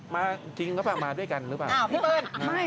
มาจริงหรือเปล่ามาด้วยกันหรือเปล่า